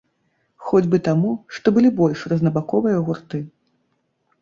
Хоць бы таму, што былі больш рознабаковыя гурты.